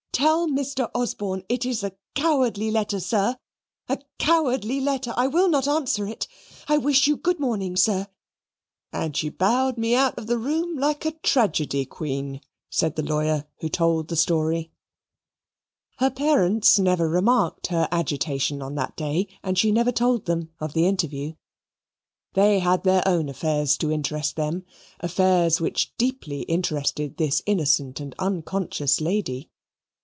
Tell Mr. Osborne it is a cowardly letter, sir a cowardly letter I will not answer it. I wish you good morning, sir and she bowed me out of the room like a tragedy Queen," said the lawyer who told the story. Her parents never remarked her agitation on that day, and she never told them of the interview. They had their own affairs to interest them, affairs which deeply interested this innocent and unconscious lady.